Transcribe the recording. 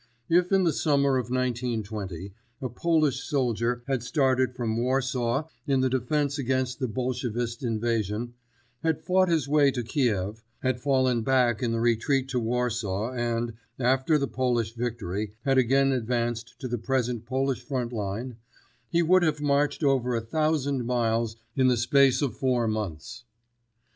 If in the summer of 1920 a Polish soldier had started from Warsaw in the defence against the Bolshevist invasion, had fought his way to Kiev, had fallen back in the retreat to Warsaw and, after the Polish victory, had again advanced to the present Polish front line, he would have marched over a thousand miles in the space of four months.